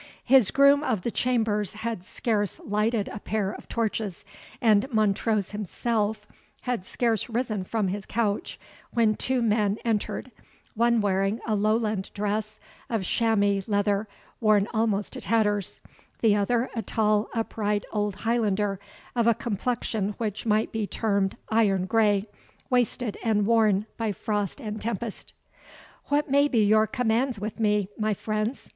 His groom of the chambers had scarce lighted a pair of torches, and Montrose himself had scarce risen from his couch, when two men entered, one wearing a Lowland dress, of shamoy leather worn almost to tatters; the other a tall upright old Highlander, of a complexion which might be termed iron grey, wasted and worn by frost and tempest. "What may be your commands with me, my friends?"